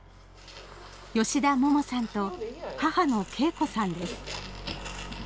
吉田桃さんと母の恵子さんです。